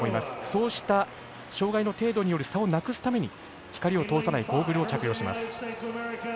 そうした障がいの程度による差をなくすために光を通さないゴーグルを着用します。